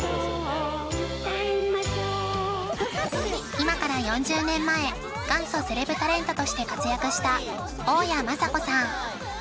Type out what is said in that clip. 今から４０年前元祖セレブタレントとして活躍した大屋政子さん